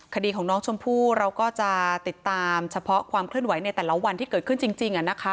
คดีของน้องชมพู่เราก็จะติดตามเฉพาะความเคลื่อนไหวในแต่ละวันที่เกิดขึ้นจริง